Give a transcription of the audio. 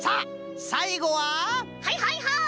はいはいはい！